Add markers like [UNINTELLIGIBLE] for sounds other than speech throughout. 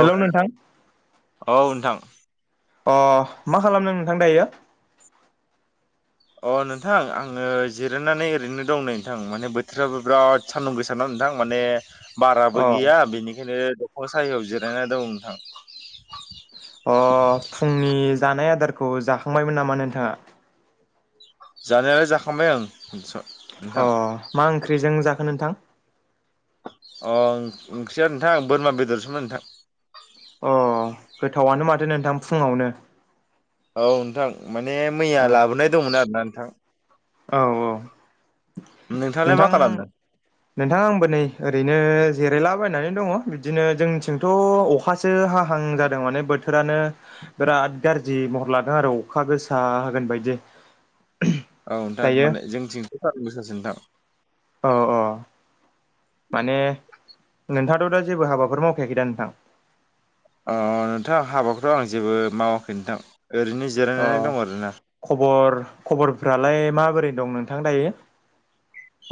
हेल' नोंथां औ नोंथां अ मा खालामदों नोंथां दायो अ नोंथां आङो जिरायनानै ओरैनो दं नै नोंथां माने बोथोराबो बिराद सान्दुं गोसाना नोंथां माने अ बाराबो गैया बेनिखायनो दंफां सायायाव जिरायना दं नोंथां अ फुंनि जानाय आदारखौ जाखांबायमोन नामा नोंथाङा जानायालाय जाखांबाय ओं। अ मा ओंख्रिजों जाखो नोंथां। अ ओंख्रिया नोंथां बोरमा बेदरसोमोन नोंथां। अ गोथावानो माथो नोंथां फुङावनो। औ नोंथां माने मैया औ लाबोनाय दंमोन आरो ना नोंथां औ औ। नोंथाङालाय मा नोंथां खालामदों नोंथां आंबो नै ओरैनो जिरायला बायनानै दङ बिदिनो जोंनिथिंथ' अखासो हाहां जादों माने बोथोरानो बिराद राथ गाज्रि महर लादों आरो अखा गोसा होगोन बायदि औ नोंथां दायो माने जोंथिंथ' सानदुं गोसासो नोंथां औ औ माने नोंथाङाथ' दा जेबो हाबाफोर मावखायाखै दा नोंथां अ नोंथां हाबाखौथ' आं जेबो मावाखै नोंथां ओरैनो अ जिरायनानै दं आरोना। खबर खबरफ्रालाय माबोरै दं नोंथां दायो।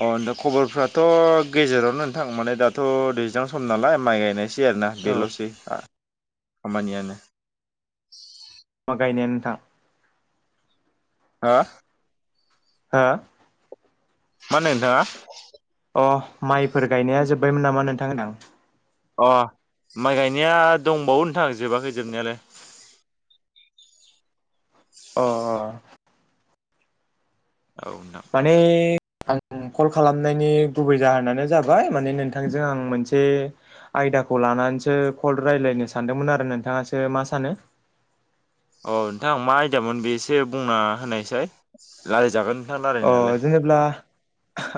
अ द खबरफ्राथ' गेजेरावनो नोंथां माने दाथ' दैज्लां सम नालाय माइ गायनाय सै आरोना औ बेलसै आ खामानियानो मा गायनायानो नोंथां हा हा मा होनदों नोंथाङा अ माइफोर गायनाया जोब्बायमोन नामा नोंथां होनदां अ माइ गायनाया दंबावो नोंथां जोबाखै जोबनायालाय अ औ नोंथां माने आं कल खालामनायनि गुबै जाहोनानो जाबाय माने नोंथांजों आं मोनसे आयदाखौ लानानैसो कल राय्लायनो सानदोंमोन आरो नोंथाङासो मा सानो अ नोंथां मा आयदमोन बेसो बुंना होनायसाय लायरायजागोन। अ जेनेब्ला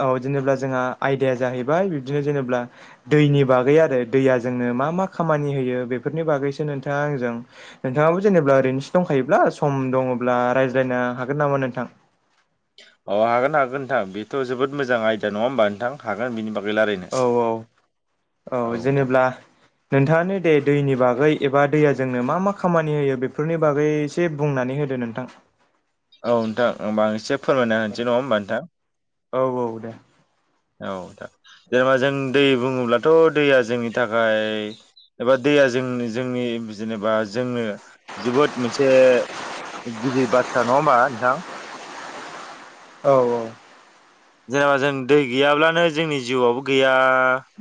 औ जेनेबा जोंहा आयदाया जाहैबाय बिबदिनो जेनेब्ला दैनि बागै आरो दैया जों नो मा मा खामानि होयो बेफोरनि बागैसो नोंथाङा आंजों नोंथाङाबो जेनेब्ला ओरैनोसो दंखायोब्ला सम दङब्ला रायज्लायनो हागोन नामा नोंथां अ हागोन हागोन नोंथां बेथ' जोबोद मोजां आयदा नङा होमबा नोंथां हागोन बेनि बाग औ औ औ जेनेब्ला नोंथाङानो दे दैनि बागै एबा दैया जोंनो मा मा खामानि होयो बेफोरनि बागै एसे बुंनानै हो दो नोंथा औ नोंथां होमबा आं एसे फोरमायना होनसै नङा होमबा नोंथां। औ औ दे। औ दे जेनेबा जों दै बुङोब्लाथ दैया जोंनि थाखाय एबा दैया जों जोंनि जेनेबा जोंनो जोबोद मोनसे गिदिर बाथ्रा नङा होमबा नोंथां औ औ। जेनेबा जों दै गैयाब्लानो जोंनि जिउआबो गैया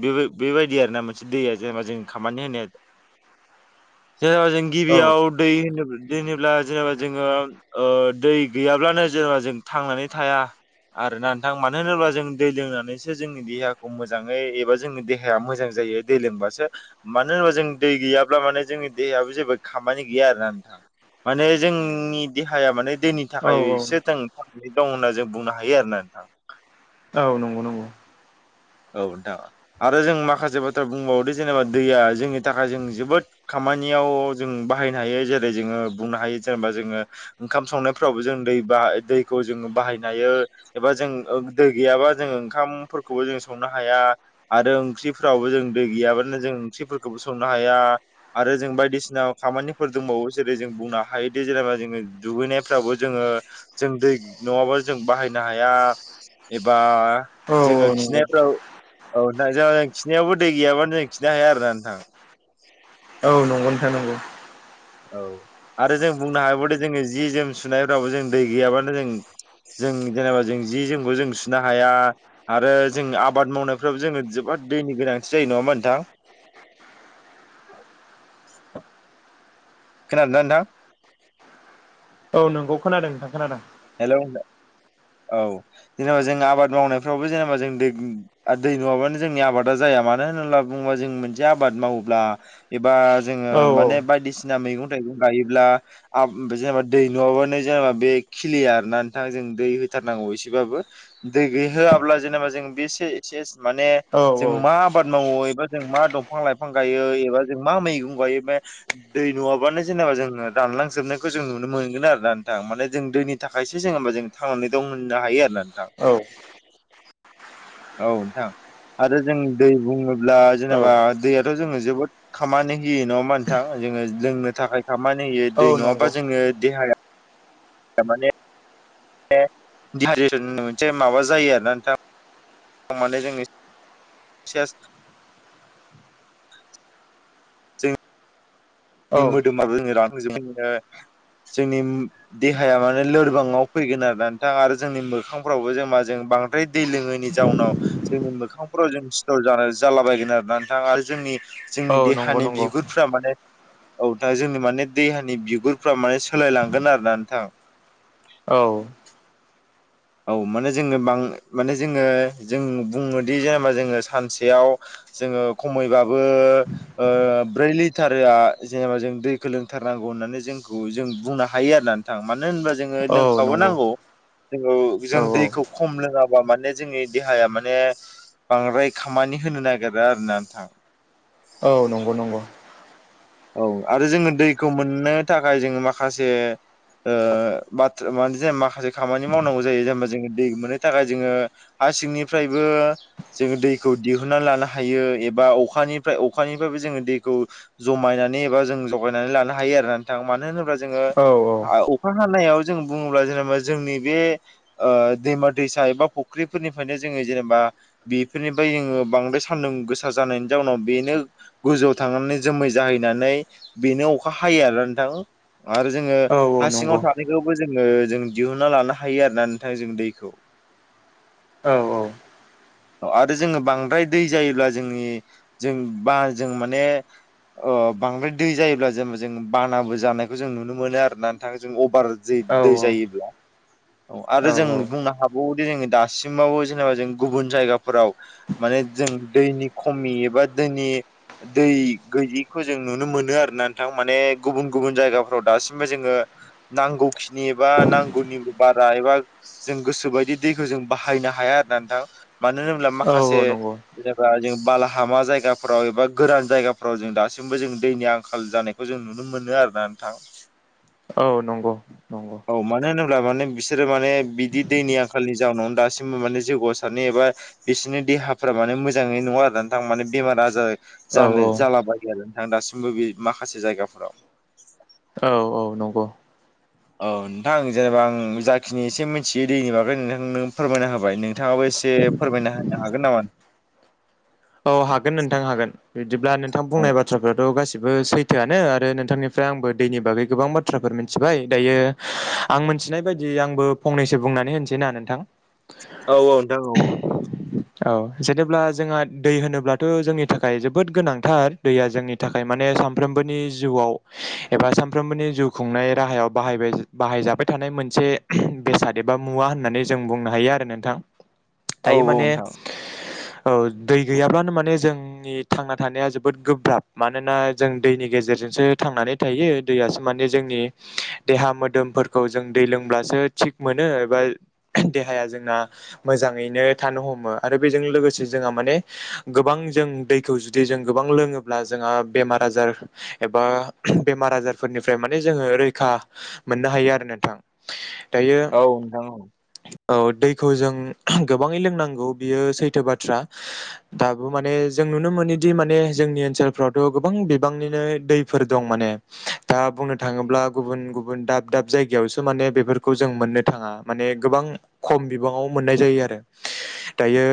बेबो बेबायदि आरोना मोनसे दैया जेनेबा जों खामानि होनाया [INAUDIBLE] जेनबा जों औ गिबियाव दै होनो जेनेबा जोङो ओ दै गैयाब्लानो जेनेबा जों थांनानै थाया आरो ना थां मानो होनोब्ला जों दै लोंनानैसो जोंनि देहाखौ मोजाङै एबा जोंनि देहाया मोजां जायो दै लोंबा बासो मानो होनोबा जों दै गैयाब्ला माने जोंनि देहायाबो जेबो खामानि गैया आरोना नोंथां माने जोंनि देहाया माने दैनि औ थाखायसो औ जों थांनानै दं होनना जों बुंनो हायो आरोना नोंथां। औ नंगौ नंगौ औ नोंथां आरो जों माखासे बाथ्रा बुंबावदो जेनेबा दैया जोंनि थाखाय जों जोबोद खाम मानियाव जों बाहायनो हायो जेरै जोङो बुंनो हायो जेनेबा जोङो ओंखाम संनायफ्रावबो जों दै बा दैखौ जोङो बाहायनो हायो एबा जों ओ दै गैयाबा जों ओंखामफोरखौबो जों संनो हाया आरो ओंख्रिफोरावबो जों दै गैयाबानो जों ओंख्रिफोरखौबो संनो हाया आर रो जों बायदिसिना खामानिफोर दंबावो जेरै जों बुंनो हायोदि जेनेबा जोङो दुगैनायफ्रावबो जोङो जों दै नङाबा जों बाहायनो हाया एबा औ औ जोङो नंगौ खिनाय औ औ नोंथां जों खिनायावबो दै गैयाबानो जों खिनो हाया आरोना नोंथां। औ नंगौ नोंथां नंगौ। औ आरो जों बुंनो हाबावोदि जोङो जि जोम सुनायफ्रावबो जों दै गैयाबानो जों जों जेनेबा जों जि जोमखौ जों सुनो हाया आरो जों आबाद मावनायफ्राबो जोङो जोबोद दैनि गोनांथि जायो‌ नङा होमबा नोंथां [UNINTELLIGIBLE] [INAUDIBLE] खोनादों ना नोंथां औ नोंगौ खोनादों नोंथां खोनादों। हेल'। [UNINTELLIGIBLE] औ जेनेबा जों आबाद मावनायफ्रावबो जेनेबा जों दै ओ दै नङाबानो जोंनि आबादा जाया। मानो होनोब्ला बुङोबा जों मोनसे आबाद मावोब्ला एबा जोङो औ औ माने बायदिसिना मैगं थाइ थाइगं गायोब्ला आब आमफाय जेनेबा दै नङाबानो जेनेबा बे खिलिआ आरोना नोंथां जों दै हो थारनांगौ एसेबाबो। दै गै होआब्ला जेनेबा जों बे से-सेस माने औ जों औ मा आबाद मावो एबा जों मा दंफां लाइफां गायो एबा जों मा मैगं गायो बे दै नङाबानो जेने। जों रानलांजोबनायखौ जों नुनो मोनो आरो ना नोंथां माने जों दैनि थाखायसो जों होमबा जों थांनानै दं होननो हायो आरो ना नोंथां। औ औ नोंथां आरो जों दै बुङोब्ला औ जेनेबा दैयाथ' जोङो जोबोद खामानि जेनिखि नङा होमबा नोंथां जोङो लोंनो थाखाय खामानि होयो औ दै नङाबा नंगौ जोङो देहाया थार माने माबा जायो आरोना नोंथां। माने जों बिसेस जों औ मोदोमाबो जोङो रानखांजोबो जोंनि देहाया माने लोरबाङाव फैगोन आरो नोंथां आरो जोंनि मोखांफ्रावबो जों जेनबा जों बांद्राय दै लोङैनि जाउनाव जोंनि मोखांफ्राव जों सिथर जालाबायगोन आरो नोंथां आरो जोंनि औ जोंनि नंगौ देहानि नंगौ बिगुरफ्रा माने औ नोंथां जोंनि माने दैेहानि बिगुरफ्रा माने सोलायलांगोन आरोना नोंथां औ औ माने जोङो बां माने जोङो जों बुङोदि जेनेबा जोङो सानसेयाव जोङो खमैबाबो ओ ब्रै लिटारआ जेनेबा जों दैखौ लोंथारनांगौ होननानै जोंखौ जों बुंनो हायो आरो ना नोंथां मानो होनबा जोङो औ नंगौ लोंखाबोनांगौ ओ औ जों दैखौ खम लोङाबा माने जोंनि देहाया माने बांद्राय खामानि होनो नागिरा आरोना नोंथां। औ नंगौ नंगौ। औ आरो जोङो दैखौ मोननो थाखाय जोङो माखासे ओ बाथ्रा माने जेनबा माखासे खामानि मावनांगौ जायो जेनेबा जोङो दै मोननो थाखाय जोङो हा सिंनिफ्रायबो जोङो दैखौ दिहुननानै लानो हायो एबा अखानिफ्राय अखानिफ्रायबो जों जों दैखौ जमायनानै एबा जों जगायनानै लानो हायो आरो नोंथां मानो होनोब्ला जोङो औ औ आ अखा हानायाव जों बुङोब्ला जेनेबा जोंनि बे ओ दैमा दैसा एबा फुख्रिफोरनिफ्रायनो जोङो जेनेबा बेफोरनिफ्राय जोङो बांद्राय सान्दुं गोसा जानायनि जाउनाव बेनो गोजौआव थांनानै जोमै जाहैनानै बेनो अखा हायो आरो नोंथां। आरो जोङो औ हा नंगौ सिङाव थानायखौबो जोङो जों दिहुनना लानो हायो आरोना नोंथां जों दैखौ। औ औ आरो जोङो बांद्राय दै जायोब्ला जोंनि जों बा जों माने ओ बांद्राय दै जायोब्ला जेनेबा जों बानाबो जानायखौ जों नुनो मोनो आरोना नोंथाङा जों अभार जै दै जायोब्ला। औ आरो जों बुंनो हाबावोदि जोङो दासिमबावबो जेनेबा जों गुबुन जायगाफोराव माने जों दैनि खमि एबा दैनि दै गैयिखौ जों नुनो मोनो आरोना नोंथां माने गुबुन गुबुन जायगाफोराव दासिमबो जोङो नांगौखिनि एबा नांगौनि बारा एबा जों गोसोबायदि दैखौ जों बाहायनो हाया। आरोना नोंथां मानो होनोब्ला औ माखासे नंगौ जेनोबा जों बाला हामा जायगाफ्राव एबा गोरान जायगाफ्राव जों दासिमबो जों दैनि आंखाल जानायखौ जों नुनो मोनो आरोना। थां औ नंगौ नंगौ। अब्ला माने बिसोरो माने बिदि दैनि आंखालनि जाउनाव दासिमबो माने जौगासार नेबा बिसोरनि देहाफोरा माने मोजाङै नङा आरो नोथां माने बेमार आजार औ जानो जाला बायो आरो नोंथां दासिमबो बे माखासे जायगाफोराव। औ नंगौ औ औ नोंथां जेनेबा आं जाखिनि एसे मिथियो दैनि बागै नोंथांनो फोरमायना होबाय नोंथाङाबो एसे फोरमायना होनो हागोन नामा औ हागोन नोंथां हागोन बिदिब्ला नोंथां औ बुंनाय बाथ्राफ्राथ' गाैसैबो सैथोआनो आरो नोंथांनिफ्राय आंबो दैनि बागै गोबां बाथ्राफोर मिथिबाय दायो आं मोनथिनाय बायदि आंबो फंनैसो बुंनानै होनसै ना नोंथां। औ औ नोंथां औ औ। औ जेनेब्ला जोंहा दै होनोब्लाथ' जोंनि थाखाय जोबोद गोनांथार दैया जोंनि थाखाय माने सानफ्रोमबोनि जिउआव एबा सानफ्रोमबोनि जिउ खुंनाय राहायाव बाहायबाय बाहायजाबाय थानाय मोनसे बेसाद एबा मुवा होननानै जों बुंनो हायो आरो नोंथां। औ दायो माने नोंथां ओ दै गैयाब्लानो माने जोंनि थांना थानाया जोबोद गोब्राब मानोना जों दैनि गेजेरजोंसो थांनानै थायो दैयासो माने जोंनि देहा मोदोमफोरखौ जों दै लोंब्लासो थिग मोनो एबा देहाया जोंना मोजाङैनो थानो हमो आरो बेजों लोगोसे जोंहा माने गोबां जों दैखौ जुदि जों गोबां लोङोब्ला जोंहा बेमार आजार एबा बेमार आजारफोरनिफ्राय माने जोङो रैखा मोननो हायो आरो नोंथां। दायो औ नोंथां। औ दैखौ जों गोबाङै लोंनांगौ बियो सैथो बाथ्रा। दाबो माने जों नुनो मोनोदि माने जोंनि ओनसोलफ्रावथ' गोबां बिबांनिनो दैफोर दं माने। दा बुंनो थाङोब्ला गुबुन गुबुन दाब दाब जायगायावसो माने बेफोरखौ जों मोननो थाङा। माने गोबां खम बिबाङाव मोननाय जायो आरो दायो।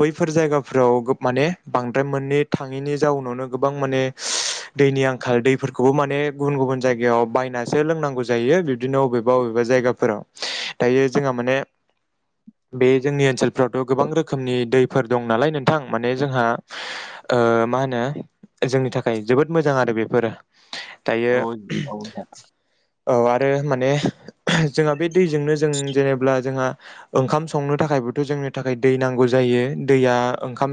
बैफोर जायगा फोराव माने बांद्राय मोननो थाङैनि जाउनावनो गोबां माने दैनि आंखाल दैफोरखौबो माने गुबुन गुबुन जायगायाव बायनासो लोंनांगौ जायो। बिब्दिनो अबेबा अबे बा जायगाफोराव दायो जोंहा माने बे जोंनि ओनसोलफोरावथ' गोबां रोखोमनि दैफोर दं नालाय नों थां माने जोंहा मा होनो जोंनि थाखाय जोबोद मोजां आरो बेफोरो। दायो औ औ नोंथां औ आरो माने जोंहा बे दैजोंनो जों जेनेब्ला जोंहा ओंखाम संनो थाखायबोथ' जों जोंनो थाखाय दै नांगौ जायो। दैया ओंखाम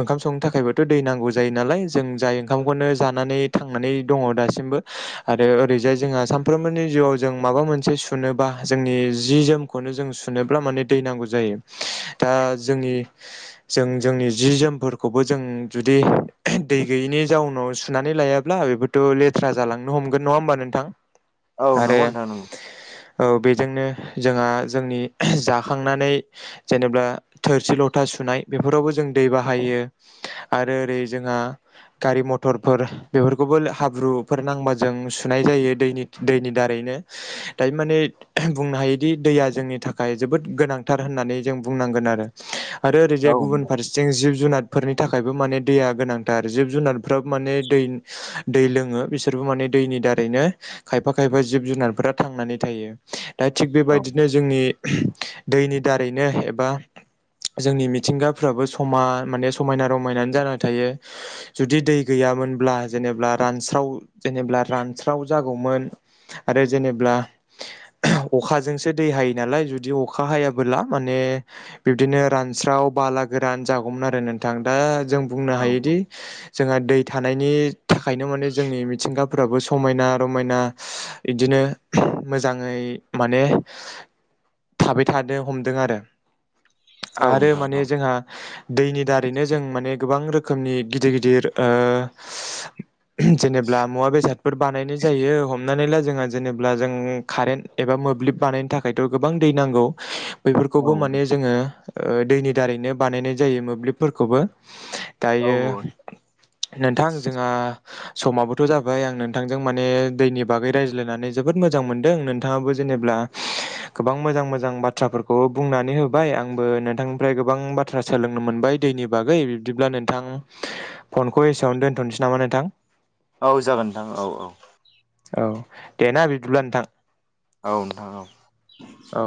ओंखाम संनो थाखायबोथ' दै नांगौ जायो नालाय जों जाय ओंखामखौनो जानानै थांनानै दं दासिमबो आरो ओरैजाय जोंहा सानफ्रोमबोनि जिवाव जों माबा मोनसे सुनोबा जोंनि जि जोमखौनो जों सुनोब्ला माने दै नांगौ जायो। दा जोंनि जों जोंनि जि जोमफोरखौबो जों जुदि दै गैयिनि जाउनाव सुनानै लायाब्ला बेफोरथ' लेथ्रा जालांनो हमगोन नङा होमबा नोंथां? औ आरो नंगौ नोंथां औ। औ बेजोंनो जोंहा जोंनि जाखांनानै जेनेबा थोरसि ल था सुनाय बेफोरावबो जों दै बाहायो आरो ओरै जोंहा गारि मथरफोर बेफोरखौबो हाब्रुफोर नांबा जों सुनाय जायो दैनि दैनि दारै। दायो माने बुंनो हायोदि दैया जोंनि थाखाय जोबोद गोनांथार होननानै जों बुं नांगोन आरो। आरो औ ओरैजाय गुबुन फारसेथिं जिब जुनार फोरनि थाखायबो माने दैया गोनांथार। जिब जुनारफ्राबो माने दै दै लोङो बिसोरबो माने दैनि दारैनो खायफा खायफा जिब जुनारफोरा थांनानै थायो। दा थिग नोंथां बेबायदिनो जोंनि दैनि दारैनो एबा जोंनि मिथिंगाफ्राबो समान माने समायना रमायनानै जानानानै थायो। जुदि दै गैया मोनब्ला जेनेब्ला रानस्राव जेनेब्ला रानस्राव जागौमोन आरो जेनेब्ला अखाजोंसो दै हायो नालाय जुदि अखा हायाबोला माने बि दिनो रानस्राव बाला गोरान जागौमोन आरो नोंथां। दा जों बुंनो औ हायोदि जोंहा दै थानायनि थाखायनो माने जोंनि मिथिंगाफोराबो समायना रमायना इदिनो मोजाङै माने थाबाय थादों हमदों आरो। औ आरो नोंथां औ माने जोंहा दैनि दारैनो जों माने गोबां रोखोमनि गिदिर गिदिर ओ जेनेब्ला मुवा बेसाद फोर बानायनाय जायो हमनानै ला जोंहा जेनेबा जों कारेन्ट एबा मोब्लिब बानायनो थाखायथ' गोबां दै नांगौ। औ बेफोरखौबो माने जोङो दैनि दारैनो बानायनाय जायो मोब्लिबफोरखौबो। औ दायो नोंथां जोंहा समाबोथ' जाबाय आं नोंथांजों माने दैनि बागै रायज्लायनानै जोबोद मोजां मोनदों नोंथाङाबो जे नेब्ला गोबां मोजां-मोजां बाथ्राफोरखौ बुंनानै होबाय। आं आंबो नोंथांनिफ्राय गोबां बाथ्रा सोलोंनो मोनबाय दैनि बागै बिदिब्ला नोंथां फनखौ एसेआवनो दोनथ'नोसै नामा नोंथां? औ जागोन नोंथां। औ औ। औ दे ना बिदिब्ला नोंथां। औ नोंथां औ। औ